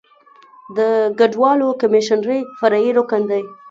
د کډوالو کمیشنري فرعي رکن دی.